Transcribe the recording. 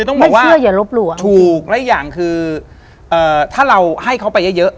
ต้องบอกว่าเชื่ออย่าลบหลู่ถูกและอีกอย่างคือเอ่อถ้าเราให้เขาไปเยอะเยอะ